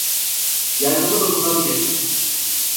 Yardımı dokunabilir.